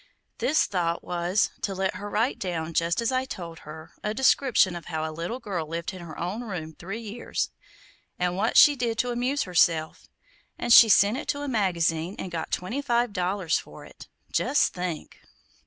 This thought was, to let her write down, just as I told her, a description of how a little girl lived in her own room three years, and what she did to amuse herself; and we sent it to a magazine and got twenty five dollars for it. Just think!"